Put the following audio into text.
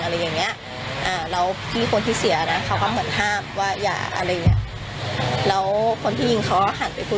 แล้วพี่คนที่เสียนะเขาก็ประทบว่าอย่าอะไรอย่างเงี้ย